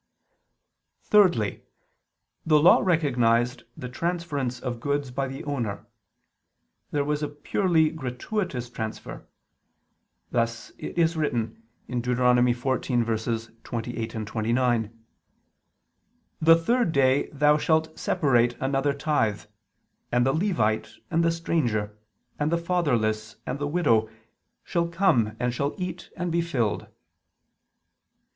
Thirdly, the law recognized the transference of goods by the owner. There was a purely gratuitous transfer: thus it is written (Deut. 14:28, 29): "The third day thou shalt separate another tithe ... and the Levite ... and the stranger, and the fatherless, and the widow ... shall come and shall eat and be filled."